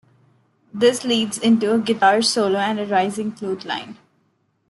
This leads into a guitar solo and a rising flute line.